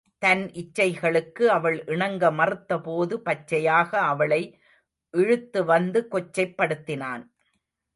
தன் இச்சைகளுக்கு அவள் இணங்க மறுத்தபோது பச்சையாக அவளை இழுத்து வந்து கொச்சைப்படுத்தினான்.